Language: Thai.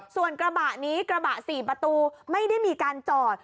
ส่วนกระบะนี้กระบะ๔ประตูไม่ได้มีการจอด